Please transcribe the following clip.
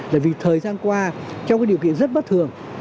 bởi vì thời gian qua trong cái điều kiện rất bất thường